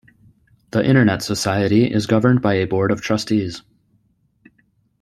The Internet Society is governed by a board of trustees.